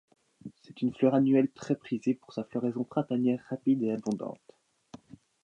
C'est une fleur annuelle très prisée pour sa floraison printanière rapide et abondante.